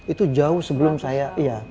itu jauh sebelum saya